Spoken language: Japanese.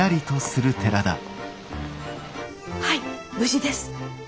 はい無事です。